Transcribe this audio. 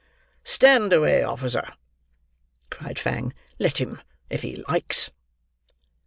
"Stand away, officer," cried Fang; "let him, if he likes."